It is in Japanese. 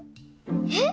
えっ！？